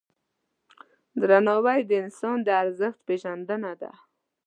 درناوی د انسان د ارزښت پیژندنه ده.